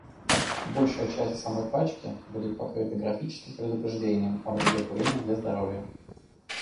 Большая часть самой пачки будет покрыта графическими предупреждениями о вреде курения для здоровья.